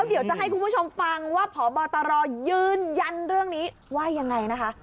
เดี๋ยวจะให้คุณผู้ชมฟังว่าพบตรยืนยันเรื่องนี้ว่ายังไงนะคะ